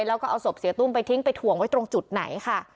แล้วก็เอาศพเสียตุ้มไปทิ้งไปถ่วงไว้ตรงจุดไหนค่ะ